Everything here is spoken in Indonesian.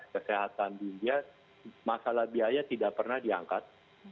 kesehatan di india masalah biaya tidak pernah diangkat